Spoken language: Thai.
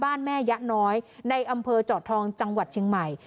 แม่ยะน้อยในอำเภอจอดทองจังหวัดเชียงใหม่